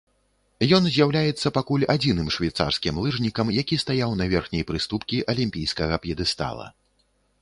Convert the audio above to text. Ён з'яўляецца пакуль адзіным швейцарскім лыжнікам, які стаяў на верхняй прыступкі алімпійскага п'едэстала.